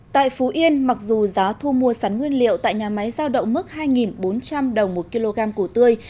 tại phú yên mặc dù giá thu mua sắn nguyên liệu tại nhà máy giao động mức hai bốn trăm linh đồng một kg củ tươi